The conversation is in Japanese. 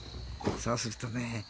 そうするとね